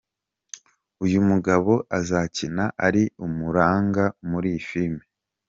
Uyu mugabo azakina ari umuranga muri iyi filime.